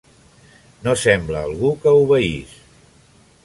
No sembla algú que obeís.